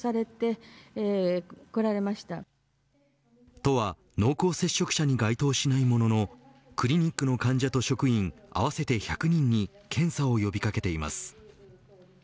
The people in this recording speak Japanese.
都は濃厚接触者に該当しないもののクリニックの患者と職員合わせて１００人に検査を呼び掛けています。